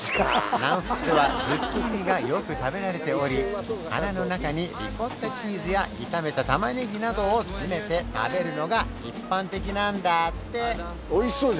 南仏ではズッキーニがよく食べられており花の中にリコッタチーズや炒めた玉ねぎなどを詰めて食べるのが一般的なんだって！